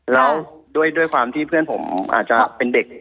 แล้วด้วยความที่เพื่อนผมอาจจะเป็นเด็ก